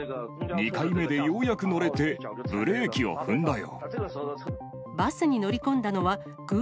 ２回目でようやく乗れて、ブレーキを踏んだよ。